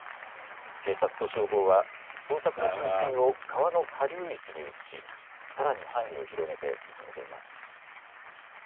警察と消防は捜索の中心を川の下流域に移し、さらに範囲を広げて進めています。